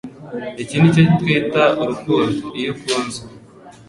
Iki nicyo twita urukundo. Iyo ukunzwe,